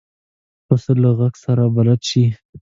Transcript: پسه له غږ سره بلد شي.